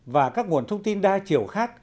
và các nguồn thông tin đa chiều khác